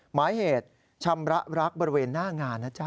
หมายเหตุชำระรักบริเวณหน้างานนะจ๊